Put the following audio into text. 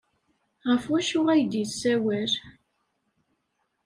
Ɣef wacu ay d-yessawal?